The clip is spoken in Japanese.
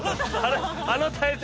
あの体勢